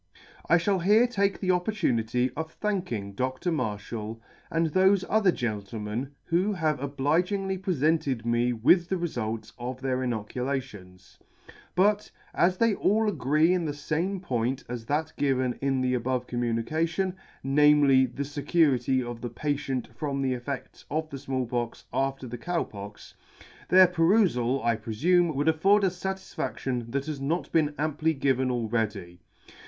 I {hall here take the opportunity of thanking Dr. Marflial and thofe other gentlemen who have obligingly prefented me with the refult of their inoculations ; but, as they all agree in the fame point as that given in the above communication, namely, the fecurity of the patient from the effedts of the Small Pox after the Cow Pox, their perufal, I prefume, would afford us fatisfadlion that has not been amply given already.